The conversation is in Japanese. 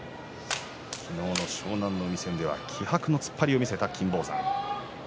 昨日の湘南乃海戦では気迫の突っ張りを見せた金峰山。